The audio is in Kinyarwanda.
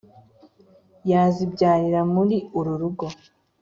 yazibyarira mri uru rugo